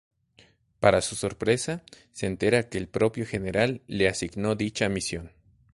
Para su sorpresa se entera que el propio General le asignó dicha misión.